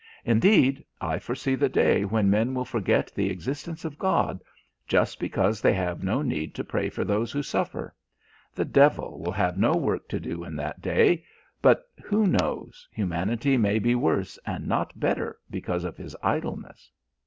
Indeed, I foresee the day when men will forget the existence of God just because they have no need to pray for those who suffer; the devil will have no work to do in that day; but, who knows, humanity may be worse and not better because of his idleness."